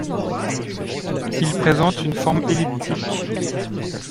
Il présente une forme elliptique.